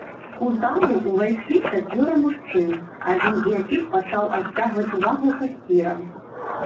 У залу ўвайшлі чацвёра мужчын, адзін з якіх пачаў адцягваць увагу касіра.